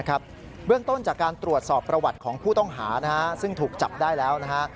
เบื้องต้นจากการตรวจสอบประวัติของผู้ต้องหาซึ่งถูกจับได้แล้วนะฮะ